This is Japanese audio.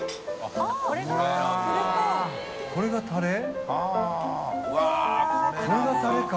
これがタレか。